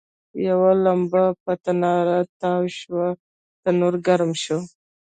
یوه لمبه په تناره کې تاوه شوه، تنور ګرم شو.